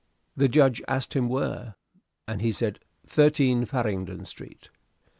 The judge asked him where, and he said, "13 Farringdon Street."